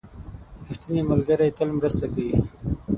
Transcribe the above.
• ریښتینی ملګری تل مرسته کوي.